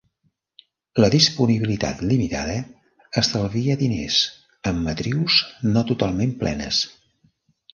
La disponibilitat limitada estalvia diners amb matrius no totalment plenes.